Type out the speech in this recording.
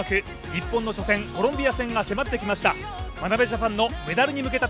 日本の初戦、コロンビア戦が迫ってきました。